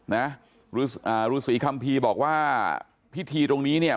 นะฤอ่าฤษีคัมภีร์บอกว่าพิธีตรงนี้เนี่ย